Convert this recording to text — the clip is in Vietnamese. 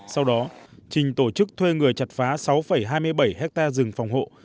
sau đó trình tổ chức thuê người chặt phá sáu hai mươi bảy hectare rừng phòng hộ